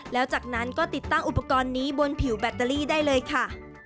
แล้วจากนั้นก็ติดตั้งอุปกรณ์นี้บนผิวแบตเตอรี่ได้เลยค่ะ